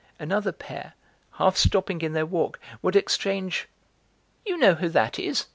Another pair, half stopping in their walk, would exchange: "You know who that is?